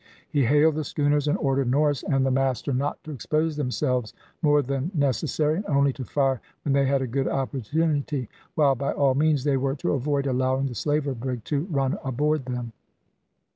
He hailed the schooners, and ordered Norris and the master not to expose themselves more than necessary, and only to fire when they had a good opportunity, while by all means they were to avoid allowing the slaver brig to run aboard them.